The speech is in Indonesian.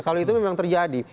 kalau itu memang terjadi